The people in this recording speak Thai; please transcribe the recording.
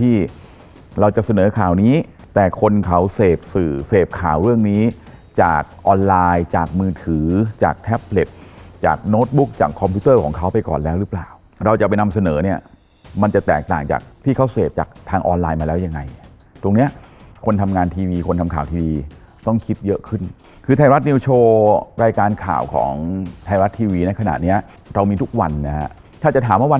ที่เราจะเสนอข่าวนี้แต่คนเขาเสพสื่อเสพข่าวเรื่องนี้จากออนไลน์จากมือถือจากแท็บเล็ตจากโน้ตบุ๊กจากคอมพิวเตอร์ของเขาไปก่อนแล้วหรือเปล่าเราจะไปนำเสนอเนี่ยมันจะแตกต่างจากที่เขาเสพจากทางออนไลน์มาแล้วยังไงตรงเนี้ยคนทำงานทีวีคนทำข่าวทีต้องคิดเยอะขึ้นคือไทยรัฐนิวโชว์รายการข่าวของไทยรัฐทีวีในขณะเนี้ยเรามีทุกวันนะฮะถ้าจะถามว่าวัน